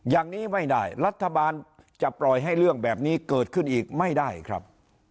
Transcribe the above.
อย่างนี้ไม่ได้รัฐบาลจะปล่อยให้เรื่องแบบนี้เกิดขึ้นอีกไม่ได้ครับ